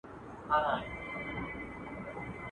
پر هغې به د هوسناکي او مكاري تورونه ولګیدل